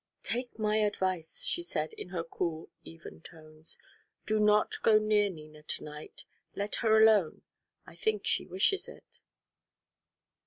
"Take my advice," she said, in her cool even tones. "Do not go near Nina to night. Let her alone. I think she wishes it."